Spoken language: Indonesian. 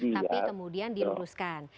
tapi kemudian diluruskan